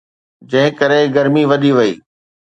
جنهن ڪري گرمي وڌي ٿي.